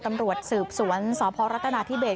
ตำรวจสืบสวนสพรัฐนาธิเบส